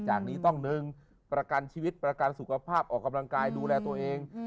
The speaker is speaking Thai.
จากนี้ต้องหนึ่งประกันชีวิตประกันสุขภาพออกกำลังกายดูแลตัวเอง